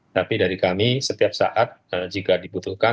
tapi dari kami setiap saat jika dibutuhkan